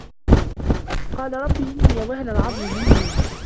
قَالَ رَبِّ إِنِّي وَهَنَ الْعَظْمُ مِنِّي